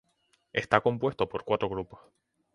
Está compuesto por cuatro grupos.